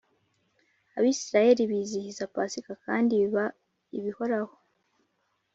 Abisirayeli bizihiza pasika kandi biba ibihoraho